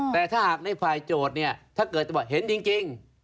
แต่ถ้าหากในฝ่ายโจทย์เนี่ยถ้าเกิดบอกเห็นจริง